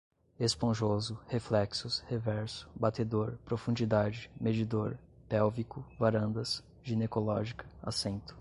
esponjoso, reflexos, reverso, batedor, profundidade, medidor, pélvico, varandas, ginecológica, assento